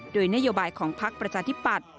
โดยนโยบายของพักประชาธิปัตย